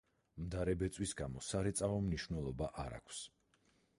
მდარე ბეწვის გამო სარეწაო მნიშვნელობა არ აქვს.